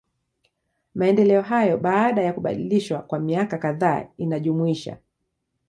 Maendeleo hayo, baada ya kubadilishwa kwa miaka kadhaa inajumuisha.